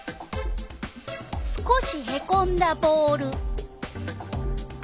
少しへこんだボール。